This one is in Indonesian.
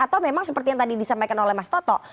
atau memang seperti yang tadi disampaikan oleh mas toto